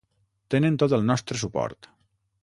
Tenen tot el nostre suport.